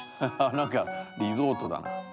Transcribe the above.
なんかリゾートだな。